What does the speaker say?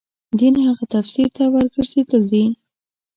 دین هغه تفسیر ته ورګرځېدل دي.